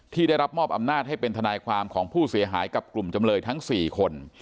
ได้รับมอบอำนาจให้เป็นทนายความของผู้เสียหายกับกลุ่มจำเลยทั้ง๔คน